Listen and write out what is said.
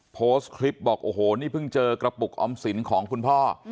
โพสต์คลิปบอกโอ้โหนี่เพิ่งเจอกระปุกออมสินของคุณพ่อ